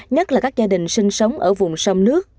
nhất là các gia đình sinh sống ở vùng sông nước